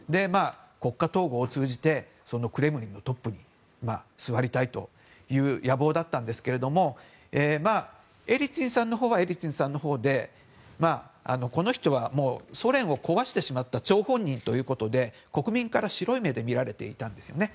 国家統合を通じてクレムリンのトップに座りたいという野望だったんですけどエリツィンさんのほうはエリツィンさんのほうでこの人は、ソ連を壊してしまった張本人ということで国民から白い目で見られていたんですね。